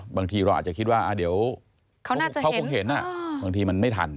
บางทีเราอาจจะคิดว่าเดี๋ยวเขาคงเห็นบางทีมันไม่ทัน